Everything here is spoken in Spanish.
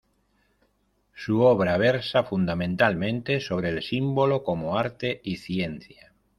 Su obra versa fundamentalmente sobre el símbolo como arte y ciencia.